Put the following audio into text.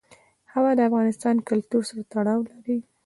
هوا د افغان کلتور سره تړاو لري.